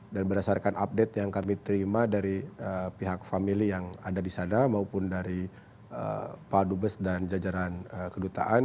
dan berdasarkan update yang kami terima dari pihak famili yang ada di sana maupun dari pak dubes dan jajaran kedutaan